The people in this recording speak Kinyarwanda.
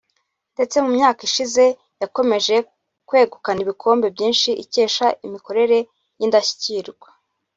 ndetse mu myaka ishize yakomeje kwegukana ibikombe byinshi ikesha imikorere y’indashyikirwa